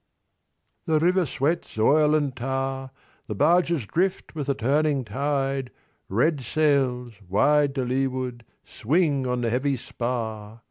The river sweats Oil and tar The barges drift With the turning tide Red sails 270 Wide To leeward, swing on the heavy spar.